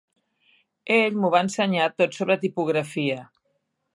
Ell m'ho va ensenyar tot sobre tipografia.